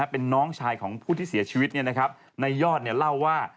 เป็นน้องชายของผู้ที่เสียชีวิตในยอดเล่าว่า